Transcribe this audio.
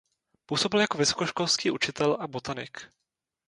Působil jako vysokoškolský učitel a botanik.